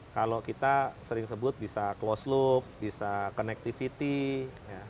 kalau kita sering sebut bisa close loop bisa connectivity